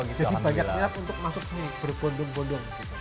jadi banyak niat untuk masuk nih berpondong pondong